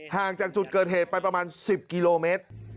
ห่างจากจุดเกิดเหตุไปประมาณ๑๐กิโลเมตร